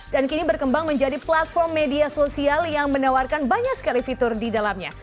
dan kini berkembang menjadi platform media sosial yang menawarkan banyak sekali fitur di dalamnya